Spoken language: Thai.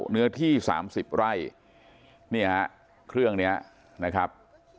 เนื้อที่สามสิบไร่เนี่ยเครื่องเนี่ยนะครับ